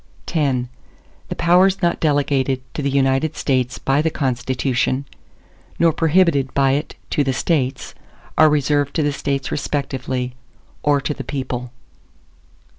ARTICLE X The powers not delegated to the United States by the Constitution, nor prohibited by it to the States, are reserved to the States respectively, or to the people.